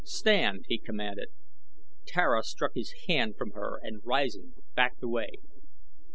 "Stand!" he commanded. Tara struck his hand from her and rising, backed away.